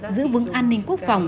giữ vững an ninh quốc phòng